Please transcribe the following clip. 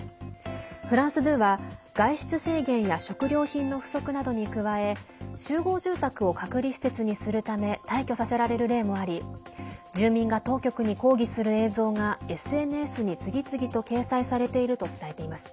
フランス２は、外出制限や食料品の不足などに加え集合住宅を隔離施設にするため退去させられる例もあり住民が当局に抗議する映像がＳＮＳに次々と掲載されていると伝えています。